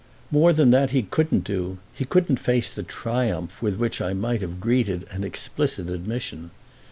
More than that he couldn't do; he couldn't face the triumph with which I might have greeted an explicit admission.